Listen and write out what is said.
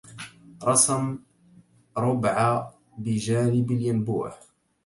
رسم ربع بجانب الينبوع